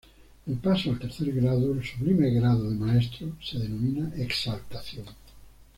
El paso al tercer grado, el sublime grado de Maestro, se denomina exaltación.